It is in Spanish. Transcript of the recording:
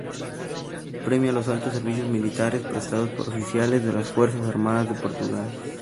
Premia los altos servicios militares prestados por oficiales de las Fuerzas Armadas de Portugal.